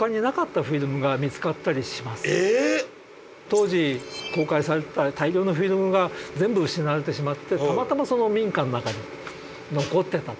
当時公開されてた大量のフィルムが全部失われてしまってたまたまその民家の中に残ってた。